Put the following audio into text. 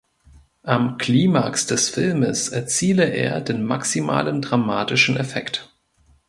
Am Klimax des Filmes erziele er den „maximalen dramatischen Effekt“.